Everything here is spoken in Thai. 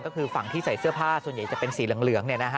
ก็คือฝั่งที่ใส่เสื้อผ้าส่วนใหญ่จะเป็นสีเหลือง